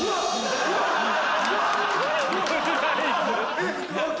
えっ？